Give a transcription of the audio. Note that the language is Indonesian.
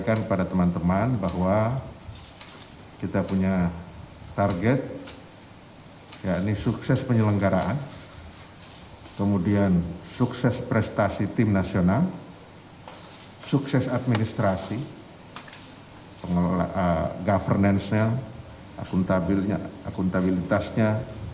kemudian sukses prestasi tim nasional sukses administrasi governance nya akuntabilitasnya